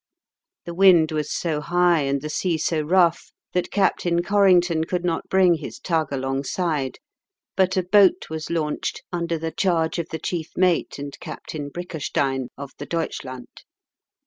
The wind was so high and the sea so rough that Captain Corrington could not bring his tug alongside; but a boat was launched, under the charge of the chief mate and Captain Brickerstein, of the Deutschland.